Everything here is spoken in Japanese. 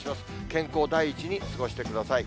健康第一に過ごしてください。